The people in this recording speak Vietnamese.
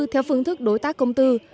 theo phương thức đối tác công tư